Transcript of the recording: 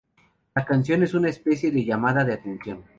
La canción es una especie de llamada de atención.